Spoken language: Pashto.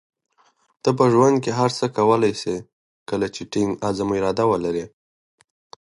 اشرف غني د بهرنیو هیوادونو سره د ډیپلوماتیکو اړیکو په پراختیا کې فعال و.